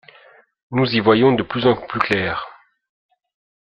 Nous y voyons de plus en plus clair.